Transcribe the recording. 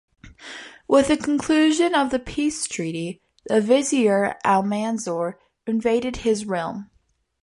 With the conclusion of the peace treaty, the vizier Almanzor invaded his realm.